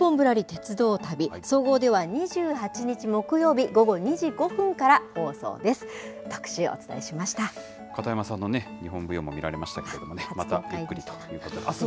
鉄道旅、総合では２８日木曜日午後２時５分から放送です。